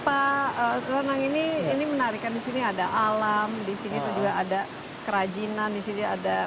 pak kerenang ini ini menarikkan disini ada alam disini juga ada kerajinan di sini ada